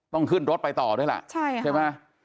ต้องขึ้นรถไปต่อด้วยล่ะใช่ไหม